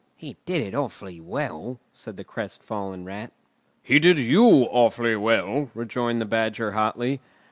"He did it awfully well," said the crestfallen Rat. "He did you awfully well!" rejoined the Badger hotly.